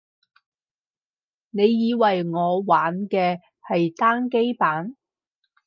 你以為我玩嘅係單機版